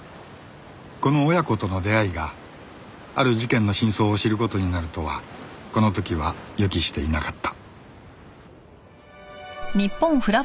この親子との出会いがある事件の真相を知る事になるとはこの時は予期していなかった